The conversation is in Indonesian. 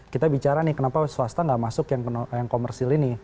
kita bicara kenapa swasta tidak masuk yang komersil ini